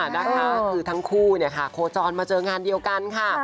นะคะคือทั้งคู่โคจรมาเจองานเดียวกันค่ะ